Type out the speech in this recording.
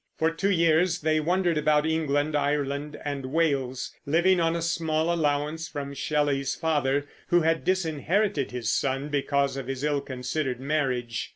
For two years they wandered about England, Ireland, and Wales, living on a small allowance from Shelley's father, who had disinherited his son because of his ill considered marriage.